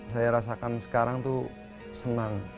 saya rasakan sekarang itu senang